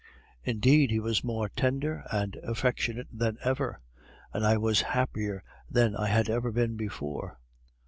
Indeed, he was more tender and affectionate than ever, and I was happier than I had ever been before.